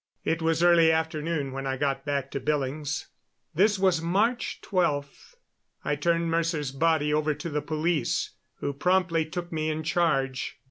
It was early afternoon when I got back to Billings. This was March 12. I turned Mercer's body over to the police, who promptly took me in charge.